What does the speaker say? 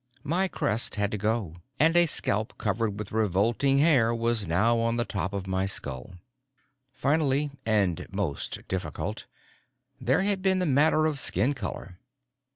My crest had to go and a scalp covered with revolting hair was now on the top of my skull. Finally, and most difficult, there had been the matter of skin color.